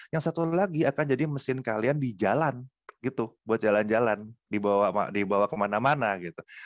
yang satu lagi akan jadi mesin kalian di jalan gitu buat jalan jalan dibawa kemana mana gitu